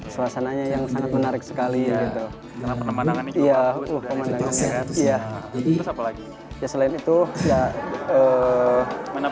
suasananya yang sangat menarik sekali ya iya iya iya itu selain itu ya